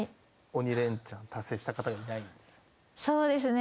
そうですね。